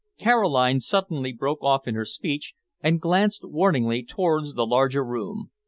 Caroline suddenly broke off in her speech and glanced warningly towards the larger room.